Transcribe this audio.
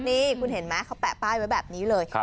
นี่คุณเห็นไหมเขาแปะป้ายไว้แบบนี้เลย